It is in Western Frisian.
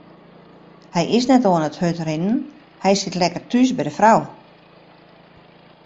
Hy is net oan it hurdrinnen, hy sit lekker thús by de frou.